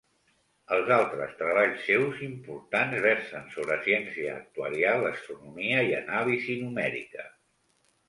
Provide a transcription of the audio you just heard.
Els altres treballs seus importants versen sobre ciència actuarial, astronomia i anàlisi numèrica.